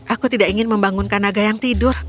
aku tidak ingin membangunkan naga yang tidur